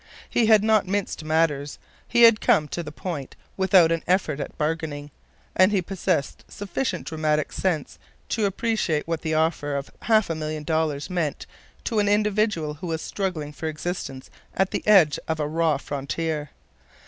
He had not minced matters. He had come to the point without an effort at bargaining, and he possessed sufficient dramatic sense to appreciate what the offer of half a million dollars meant to an individual who was struggling for existence at the edge of a raw frontier.